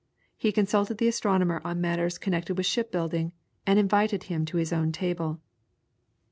He consulted the astronomer on matters connected with shipbuilding, and invited him to his own table.